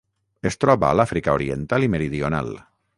Es troba a l'Àfrica oriental i meridional.